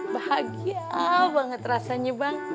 bahagia banget rasanya bang